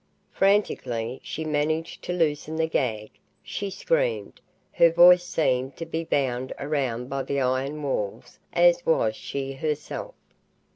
Frantically, she managed to loosen the gag. She screamed. Her voice seemed to be bound around by the iron walls as was she herself.